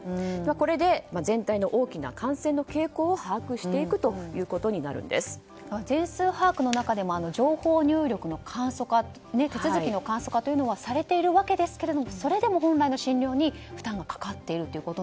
これで、全体の大きな感染の傾向を全数把握の中でも情報入力の簡素化手続きの簡素化というのはされているわけですがそれでも本来の診療に負担がかかっていると。